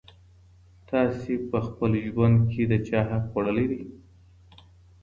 تاسي په خپل ژوند کي د چا حق خوړلی دی؟